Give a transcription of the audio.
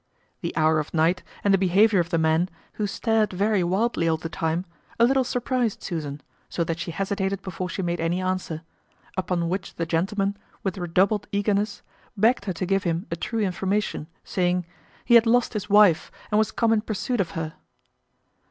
The hour of night, and the behaviour of the man, who stared very wildly all the time, a little surprized Susan, so that she hesitated before she made any answer; upon which the gentleman, with redoubled eagerness, begged her to give him a true information, saying, He had lost his wife, and was come in pursuit of her.